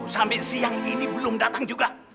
sampai siang ini belum datang juga